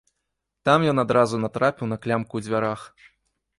Там ён адразу натрапіў на клямку ў дзвярах.